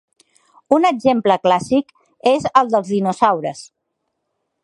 Un exemple clàssic és el dels dinosaures.